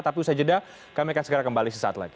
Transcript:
tapi usai jeda kami akan segera kembali sesaat lagi